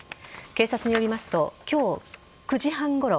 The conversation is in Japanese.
警察によりますと今日午後９時半ごろ